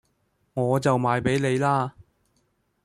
我就賣俾你啦